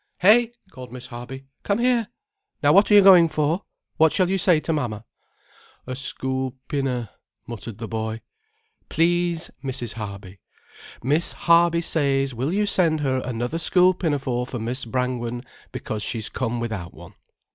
"Hey," called Miss Harby. "Come here—now what are you going for? What shall you say to mamma?" "A school pina——" muttered the boy. "'Please, Mrs. Harby, Miss Harby says will you send her another school pinafore for Miss Brangwen, because she's come without one.